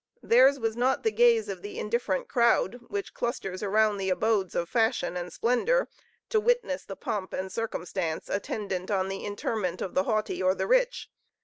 Theirs was not the gaze of the indifferent crowd, which clusters around the abodes of fashion and splendor, to witness the pomp and circumstance attendant on the interment of the haughty or the rich.